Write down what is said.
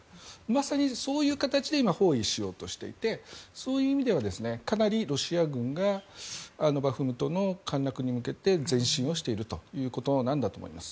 まさにそういう形で今、包囲しようとしていてそういう意味ではかなりロシア軍がバフムトの陥落に向けて前進をしているということなんだと思います。